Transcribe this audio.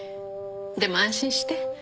でも安心して。